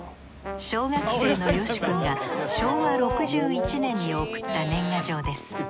小学生のよし君が昭和６１年に送った年賀状です。